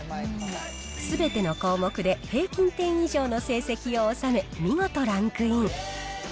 すべての項目で平均点以上の成績を収め、見事ランクイン。